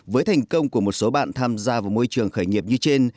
với thành công của một số bạn tham gia vào môi trường khởi nghiệp như trên